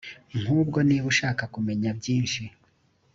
nk ubwo niba ushaka kumenya byinshi